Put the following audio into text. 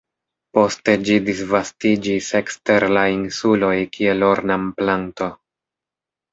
Poste ĝi disvastiĝis ekster la insuloj kiel ornamplanto.